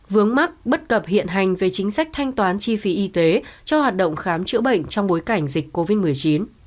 vướng mắc bất cập hiện hành về chính sách thanh toán chi phí y tế cho hoạt động khám chữa bệnh trong bối cảnh dịch covid một mươi chín